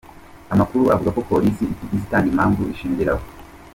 Amakuru avuga ko polisi itigeze itanga impamvu ishingiraho.